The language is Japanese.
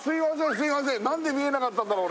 すいません何で見えなかったんだろう？